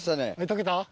解けた？